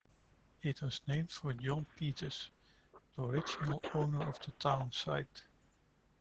It was named for John Peters, the original owner of the town site.